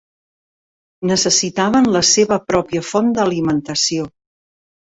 Necessitaven la seva pròpia font d'alimentació.